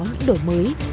những đổi mới